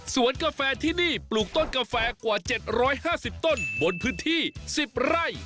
สวนกาแฟที่นี่ปลูกต้นกาแฟกว่าเจ็ดร้อยห้าสิบต้นบนพื้นที่สิบไร่